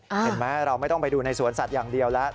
เห็นไหมเราไม่ต้องไปดูในสวนสัตว์อย่างเดียวแล้ว